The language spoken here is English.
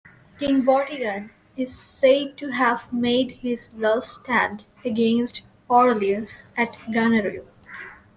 King Vortigern is said to have made his last stand against Aurelius at Ganarew.